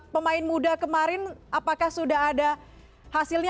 pemain muda kemarin apakah sudah ada hasilnya